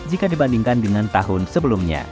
jika dibandingkan dengan tahun sebelumnya